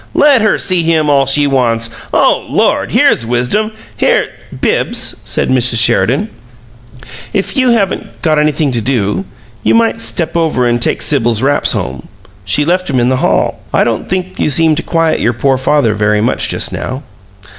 'Let her see him all she wants'! Oh, Lord! here's wisdom; here's " "Bibbs," said Mrs. Sheridan, "if you haven't got anything to do, you might step over and take Sibyl's wraps home she left 'em in the hall. I don't think you seem to quiet your poor father very much just now."